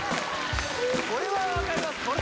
これは分かります